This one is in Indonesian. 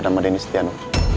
nama denis tiano